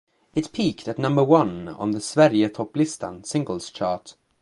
It peaked at number one on the Sverigetopplistan singles chart.